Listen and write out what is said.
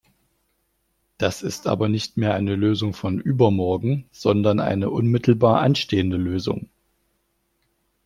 Das ist aber nicht mehr eine Lösung von übermorgen, sondern eine unmittelbar anstehende Lösung.